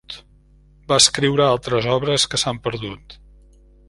Va escriure altres obres que s'han perdut.